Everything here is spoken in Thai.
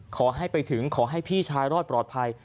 ขอให้ไปถึงขอให้พี่ชายรอดปลอดภัย